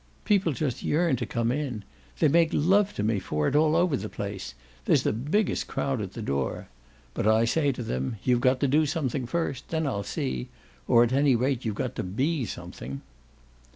People just yearn to come in; they make love to me for it all over the place; there's the biggest crowd at the door. But I say to them: 'You've got to do something first, then I'll see; or at any rate you've got to BE something!